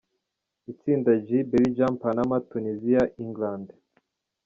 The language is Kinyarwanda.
Itsinda G: Belgium, Panama, Tunisia, England.